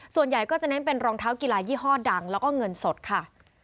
ส่วนใหญ่ก็จะเน้นเป็นรองเท้ากีฬายี่ห้อดังแล้วก็เงินสดค่ะ